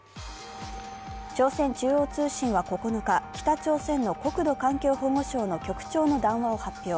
朝鮮中央通信は９日、北朝鮮の国土環境保護省の局長の談話を発表。